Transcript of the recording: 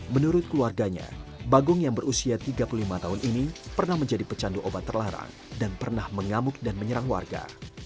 menurut keluarganya bagong yang berusia tiga puluh lima tahun ini pernah menjadi pecandu obat terlarang dan pernah mengamuk dan menyerang warga